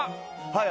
はい。